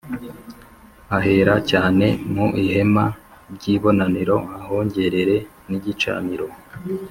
Ahera Cyane m n ihema n ry ibonaniro ahongerere n igicaniro